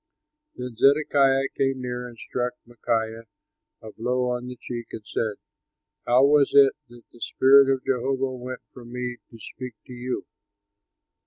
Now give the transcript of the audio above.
Then Zedekiah came near and struck Micaiah a blow on the cheek and said, "How was it that the spirit of Jehovah went from me to speak to you?"